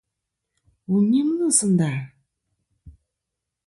Wu nyɨmlɨ sɨ nda ?